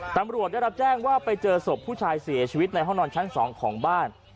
ตำรวจได้รับแจ้งว่าไปเจอศพผู้ชายเสียชีวิตในห้องนอนชั้น๒ของบ้าน